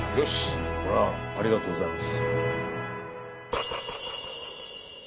ありがとうございます。